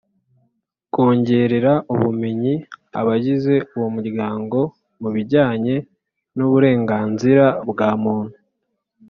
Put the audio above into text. kongerera ubumenyi abagize uwo muryango mu bijyanye n uburenganzira bwa Muntu